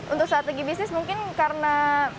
untuk strategi bisnis mungkin karena